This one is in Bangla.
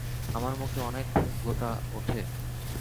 আমার মুখে অনেক গোটা উঠে।